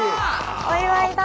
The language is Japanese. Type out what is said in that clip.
お祝いだ。